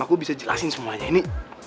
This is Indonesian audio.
aku bisa jelasin semuanya ini